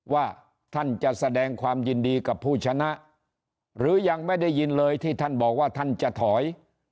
ว่าท่านจะแสดงความยินดีกับผู้ชนะหรือยังไม่ได้ยินเลยที่ท่านบอกว่าท่านจะถอย